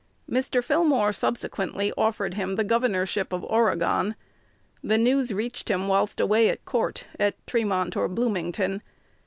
Mr. Fillmore subsequently offered him the governorship of Oregon. The news reached him whilst away at court at Tremont or Bloomington.